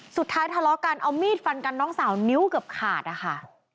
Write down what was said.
สุดท้ายทะเลาะกันเอามีดฟันกันน้องสาวนิ่วกับขาดนี่ค่ะ